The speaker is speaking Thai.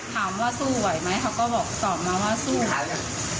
ถามว่าสู้ไหวไหมเขาก็บอกตอบมาว่าสู้ไหว